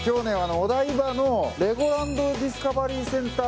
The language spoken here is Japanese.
お台場のレゴランド・ディスカバリー・センター